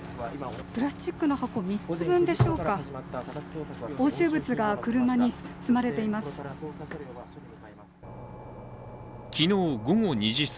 プラスチックの箱３つ分でしょうか、押収物が車に積まれています。